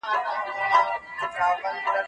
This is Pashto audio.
زه هره ورځ مېوې وچوم،